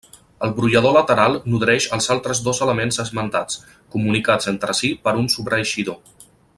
El brollador lateral nodreix els altres dos elements esmentats, comunicats entre si per un sobreeixidor.